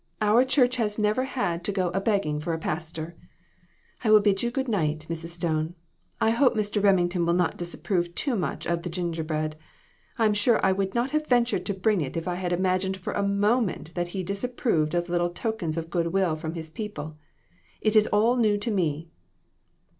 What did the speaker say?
Our church has never had to go a begging for a pastor. I will bid you good night, Mrs. Stone. I hope Mr. Reming ton will not disapprove too much of the ginger bread; I'm sure I would not have ventured to bring it if I had imagined for a moment that he disapproved of little tokens of good will from his people. It is all new to me."